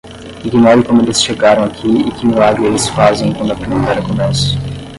Ignore como eles chegaram aqui e que milagre eles fazem quando a primavera começa.